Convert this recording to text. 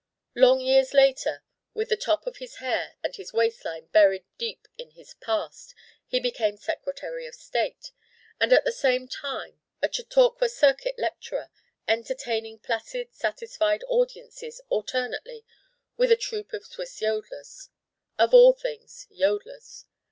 Long years later with the top of his hair and his waistline buried deep in his past he became Secretary of State: and at the same time a Chautauqua Circuit lecturer entertaining placid satisfied audiences alternately with a troupe of Swiss Yodlers. Of all things, yodlers.